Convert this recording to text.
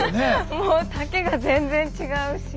もう丈が全然違うし。